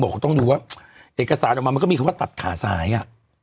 เขาต้องดูว่าเอกสารออกมามันก็มีคำว่าตัดขาซ้ายอ่ะ